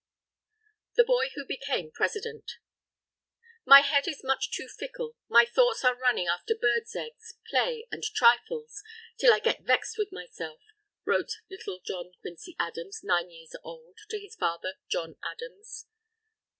THE BOY WHO BECAME PRESIDENT "My head is much too fickle, my thoughts are running after birds' eggs, play, and trifles, till I get vexed with myself," wrote little John Quincy Adams, nine years old, to his father John Adams.